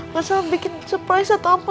masalah bikin surprise atau apa gitu